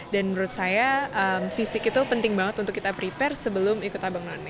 dan menurut saya fisik itu penting banget untuk kita prepare sebelum ikut abang none